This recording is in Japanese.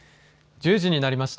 １０時になりました。